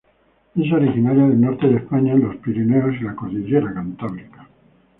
Es originaria del norte de España en los Pirineos y la cordillera Cantábrica.